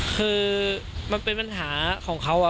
คือมันเป็นปัญหาของเขา